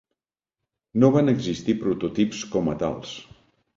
No van existir prototips com a tals.